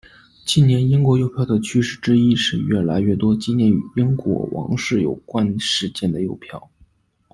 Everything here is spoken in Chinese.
近年英国邮票的趋势之一是越来越多纪念与英国王室有关事件的邮票。